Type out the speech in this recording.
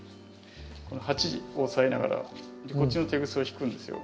鉢こう押さえながらこっちのテグスを引くんですよ。